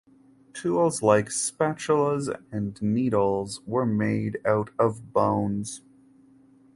Tools like spatulas and needles were made out of bones.